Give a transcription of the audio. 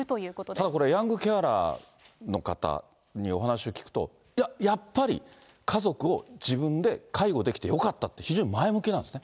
ただこれ、ヤングケアラーの方にお話を聞くと、いや、やっぱり、家族を自分で介護できてよかったって、非常に前向きなんですね。